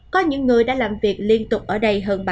có những người đã làm việc liên tục ở đây hơn bà